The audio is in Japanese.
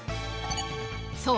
そう。